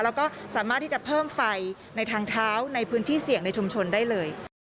แล้วก็สามารถที่จะเพิ่มไฟในทางเท้าในพื้นที่เสี่ยงในชุมชนได้เลย